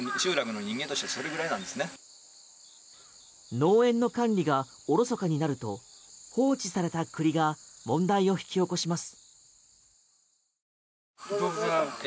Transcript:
農園の管理がおろそかになると放置された栗が問題を引き起こします。